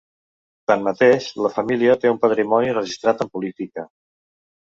Tanmateix, la família té un patrimoni registrat en política.